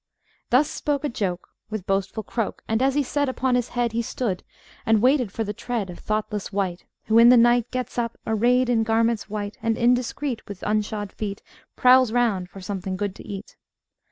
Thus spoke A Joke With boastful croak; And as he said, Upon his head He stood, and waited for the tread Of thoughtless wight, Who, in the night, Gets up, arrayed in garments white, And indiscreet, With unshod feet, Prowls round for something good to eat.